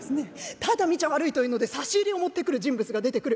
ただ見ちゃ悪いというので差し入れを持ってくる人物が出てくる。